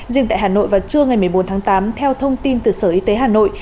riêng tại hà nội vào trưa ngày một mươi bốn tháng tám theo thông tin từ sở y tế hà nội